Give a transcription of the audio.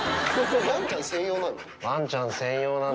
ワンちゃん専用なの？